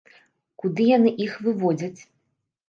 Куды яны іх выводзяць?